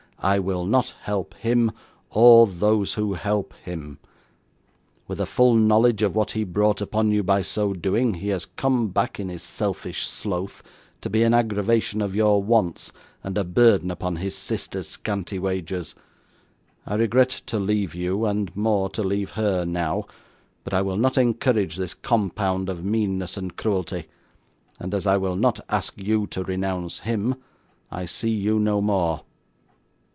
I will not help him, or those who help him. With a full knowledge of what he brought upon you by so doing, he has come back in his selfish sloth, to be an aggravation of your wants, and a burden upon his sister's scanty wages. I regret to leave you, and more to leave her, now, but I will not encourage this compound of meanness and cruelty, and, as I will not ask you to renounce him, I see you no more.